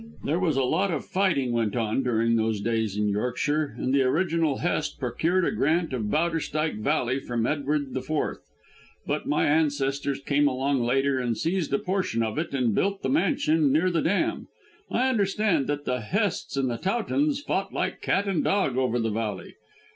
There was a lot of fighting went on during those days in Yorkshire, and the original Hest procured a grant of Bowderstyke Valley from Edward IV. But my ancestors came along later and seized a portion of it and built the mansion near the dam. I understand that the Hests and the Towtons fought like cat and dog over the valley.